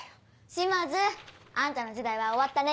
島津あんたの時代は終わったね。